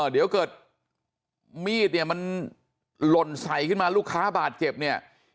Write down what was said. เดี๋ยวเกิดมีดเนี่ยมันหล่นใส่ขึ้นมาลูกค้าบาดเจ็บเนี่ย